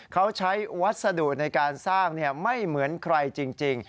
เขาใช้วัสดุในการสร้างไม่เหมือนใครจริง